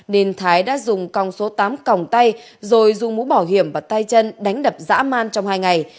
nên thái đã dùng cong số tám còng tay rồi dùng mũ bảo hiểm và tay chân đánh đập dã man trong hai ngày